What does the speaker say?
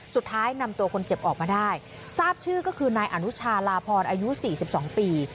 สุดท้ายนำตัวคนเจ็บออกมาได้ทราบชื่อก็คือนายอนุชาลาพรอายุ๔๒ปี